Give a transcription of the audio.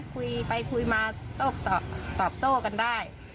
คุยไปคุยมาตกพัดต่อกันได้